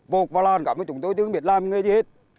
vột vào làn cả mấy chúng tôi chứ không biết làm nghề gì hết